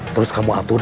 terus kamu atur